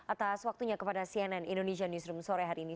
atas waktunya kepada cnn indonesia newsroom sore hari ini